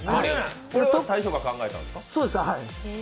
これ、大将が考えたんですか。